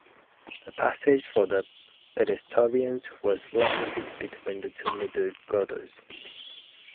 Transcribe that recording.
The passage for the pedestrians was located between the two middle girders.